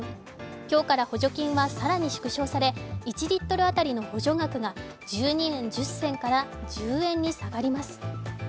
今日から補助金は更に縮小され１リットル当たりの補助額が１２円１０銭から１０円に下がります。